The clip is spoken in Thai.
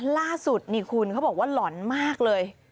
ล่าสุดนี่คุณเขาบอกว่าหล่อนมากเลย